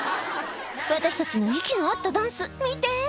「私たちの息の合ったダンス見て！